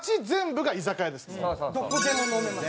どこでも飲めます。